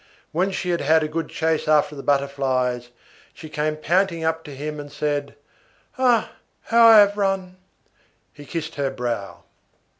When she had had a good chase after the butterflies, she came panting up to him and said: "Ah! How I have run!" He kissed her brow.